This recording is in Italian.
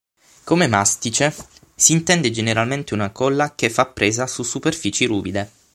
Come mastice si intende generalmente una colla che fa presa su superfici ruvide.